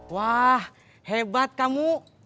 wah hebat kamu